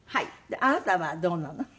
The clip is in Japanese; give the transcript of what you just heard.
あなたはどうなの？